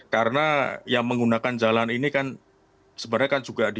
karena yang menggunakan jalan ini kan sebenarnya kan juga di